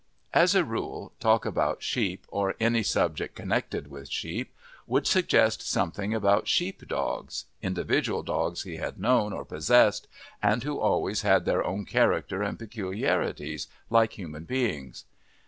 As a rule, talk about sheep, or any subject connected with sheep, would suggest something about sheepdogs individual dogs he had known or possessed, and who always had their own character and peculiarities, like human beings.